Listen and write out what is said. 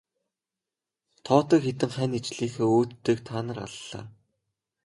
Тоотой хэдэн хань ижлийнхээ өөдтэйг та нар аллаа.